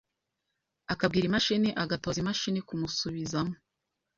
akabwira imashini, agatoza imashini kumusubizamo